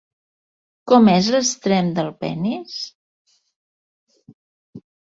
Com és l'extrem del penis?